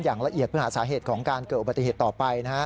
อย่างละเอียดเพื่อหาสาเหตุของการเกิดอุบัติเหตุต่อไป